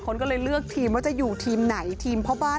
คนก็เลยเลือกทีมคือพ่อบ้านหรือทีมแม่บ้าน